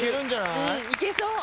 いけそう。